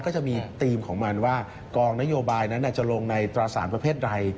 ก็จะมีธีมของมันว่ากองนโยบายนั้นจะลงในตราสารประเภทใด